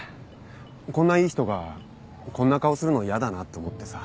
こんないい人がこんな顔するのやだなって思ってさ。